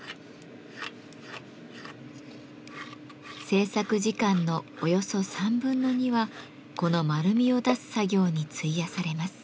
制作時間のおよそ３分の２はこの丸みを出す作業に費やされます。